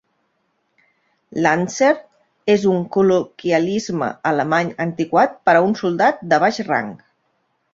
"Landser" és un col·loquialisme alemany antiquat per a un soldat de baix rang.